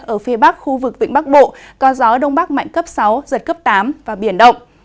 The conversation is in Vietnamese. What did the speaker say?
ở phía bắc khu vực vịnh bắc bộ có gió đông bắc mạnh cấp sáu giật cấp tám và biển động